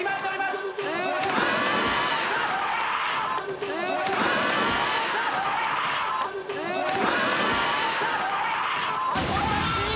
すごい。